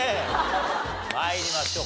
参りましょう。